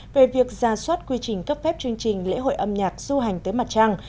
về việc ra soát quy trình cấp phép chương trình lễ hội âm nhạc du hành tới mặt trăng